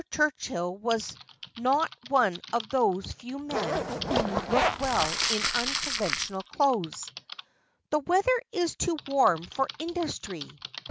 Turchill was not one of those few men who look well in unconventional clothes. ' The weather is too warm for industry.'